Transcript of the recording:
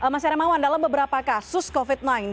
mas hermawan dalam beberapa kasus covid sembilan belas